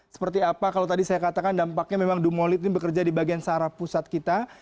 seperti apa kalau tadi saya katakan dampaknya memang dumolit ini bekerja di bagian saraf pusat kita